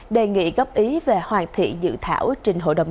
đề nghị góp ý về hoàn thị dự thảo trên hội đồng